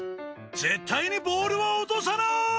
絶対にボールを落とさない！